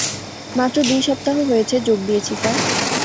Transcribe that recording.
মাত্র দুই সপ্তাহ হয়েছে যোগ দিয়েছি, স্যার।